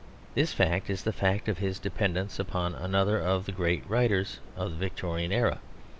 This fact is the fact of his dependence upon another of the great writers of the Victorian era.